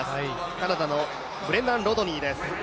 カナダのブレンダン・ロドニーです。